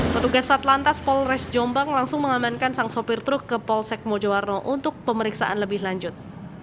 petugas satlantas polres jombang langsung mengamankan sang sopir truk ke polsek mojowarno untuk pemeriksaan lebih lanjut